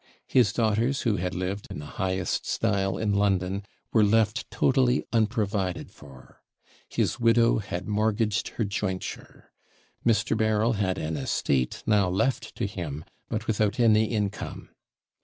His daughters, who had lived in the highest style in London, were left totally unprovided for. His widow had mortgaged her jointure. Mr. Berryl had an estate now left to him, but without any income.